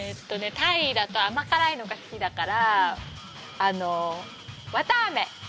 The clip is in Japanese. タイだと甘辛いのが好きだから。